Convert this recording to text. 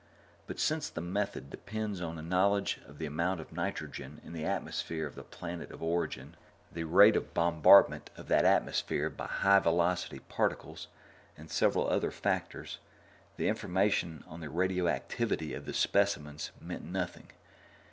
But since the method depends on a knowledge of the amount of nitrogen in the atmosphere of the planet of origin, the rate of bombardment of that atmosphere by high velocity particles, and several other factors, the information on the radioactivity of the specimens meant nothing.